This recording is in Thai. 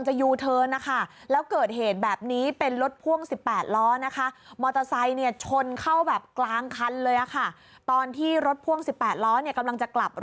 นี่ค่ะคือมัน